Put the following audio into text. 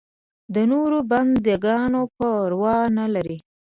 د نورو بنده ګانو پروا نه لري.